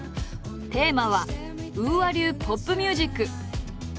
テーマは「ＵＡ流ポップミュージック」。